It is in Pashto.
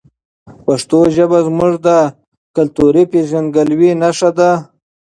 پښتو ژبه زموږ د کلتوري هویت نښه ده.